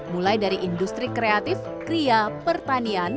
mulai dari industri kreatif kria pertanian